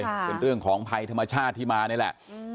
เป็นเรื่องของภัยธรรมชาติที่มานี่แหละ